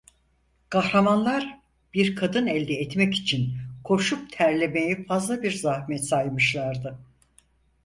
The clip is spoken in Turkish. Kahramanlar, bir kadın elde etmek için koşup terlemeyi fazla bir zahmet saymışlardı.